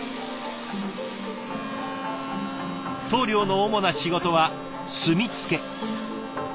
棟梁の主な仕事は墨付け。